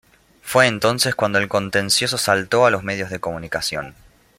Fue entonces cuando el contencioso saltó a los medios de comunicación.